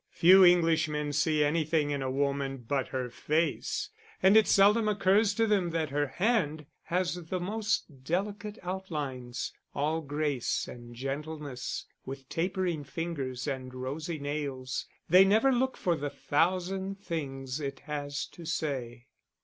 Few Englishmen see anything in a woman, but her face; and it seldom occurs to them that her hand has the most delicate outlines, all grace and gentleness, with tapering fingers and rosy nails; they never look for the thousand things it has to say.